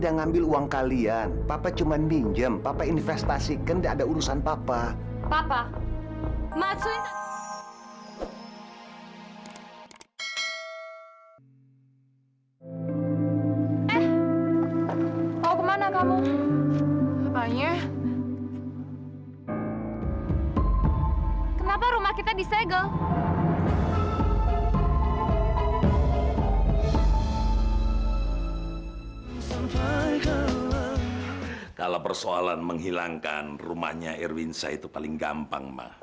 sampai jumpa di video selanjutnya